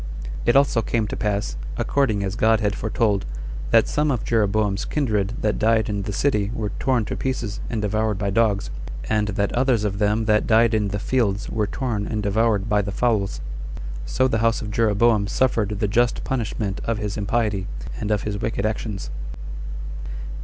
It also came to pass, according as God had foretold, that some of Jeroboam's kindred that died in the city were torn to pieces and devoured by dogs, and that others of them that died in the fields were torn and devoured by the fowls. So the house of Jeroboam suffered the just punishment of his impiety, and of his wicked actions.